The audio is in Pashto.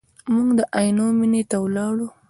موږ د عینو مینې ته ولاړو.